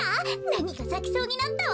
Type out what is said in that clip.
なにかさきそうになったわ。